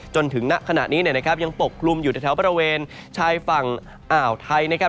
จนถึงณขณะนี้นะครับยังปกกลุ่มอยู่ในแถวบริเวณชายฝั่งอ่าวไทยนะครับ